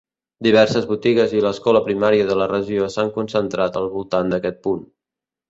Diverses botigues i l'escola primària de la regió s'han concentrat al voltant d'aquest punt.